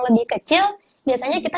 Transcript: lebih kecil biasanya kita